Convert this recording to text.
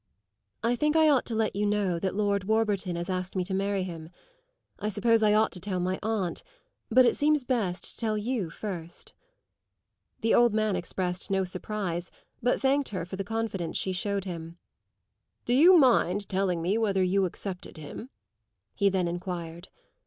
"I think I ought to let you know that Lord Warburton has asked me to marry him. I suppose I ought to tell my aunt; but it seems best to tell you first." The old man expressed no surprise, but thanked her for the confidence she showed him. "Do you mind telling me whether you accepted him?" he then enquired.